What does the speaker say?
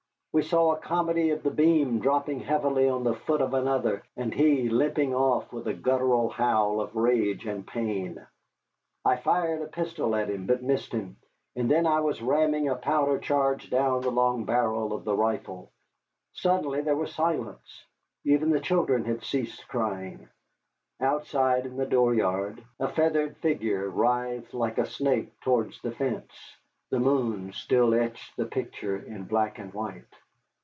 We saw a comedy of the beam dropping heavily on the foot of another, and he limping off with a guttural howl of rage and pain. I fired a pistol at him, but missed him, and then I was ramming a powder charge down the long barrel of the rifle. Suddenly there was silence, even the children had ceased crying. Outside, in the dooryard, a feathered figure writhed like a snake towards the fence. The moon still etched the picture in black and white.